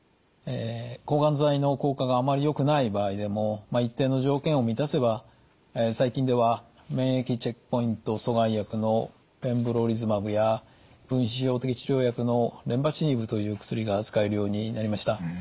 抗がん剤の効果があまりよくない場合でも一定の条件を満たせば最近では免疫チェックポイント阻害薬のペムブロリズマブや分子標的治療薬のレンバチニブという薬が使えるようになりました。